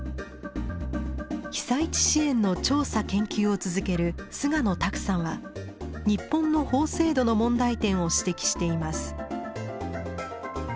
被災地支援の調査・研究を続ける菅野拓さんは日本の法制度の問題点を指摘しています。